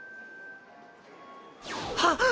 はっ！